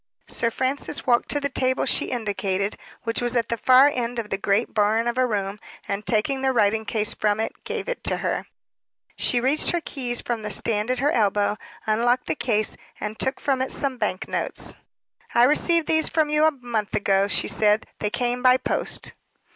Sir Francis walked to the table she indicated, which was at the far end of the great barn of a room, and taking the writing case from it, gave it to her. She reached her keys from the stand at her elbow, unlocked the case, and took from it some bank notes. "I received these from you a month ago," she said. "They came by post."